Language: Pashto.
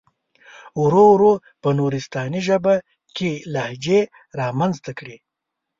ورو ورو په نورستاني ژبه کې لهجې را منځته کړي.